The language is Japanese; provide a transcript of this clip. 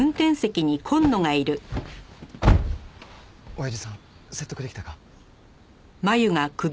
おやじさん説得できたか？